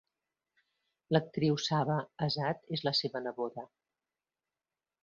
L'actriu Saba Azad és la seva neboda.